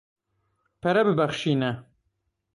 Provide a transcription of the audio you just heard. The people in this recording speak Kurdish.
Pere bibexşîne.